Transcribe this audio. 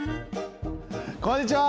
こんにちは！